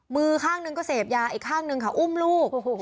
มือข้างหนึ่งก็เสพยาอีกข้างหนึ่งค่ะอุ้มลูก